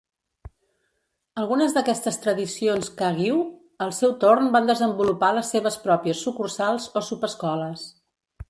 Algunes d'aquestes tradicions Kagyu al seu torn van desenvolupar les seves pròpies sucursals o subescoles.